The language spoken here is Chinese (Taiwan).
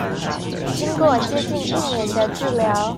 經過接近一年的治療